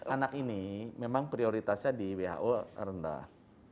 anak ini memang prioritasnya di who rendah